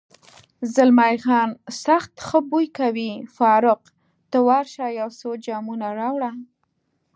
زلمی خان: سخت ښه بوی کوي، فاروق، ته ورشه یو څو جامونه راوړه.